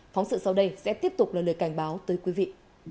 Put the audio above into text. phóng sự sau đây sẽ tiếp tục là lời cảnh báo tới quý vị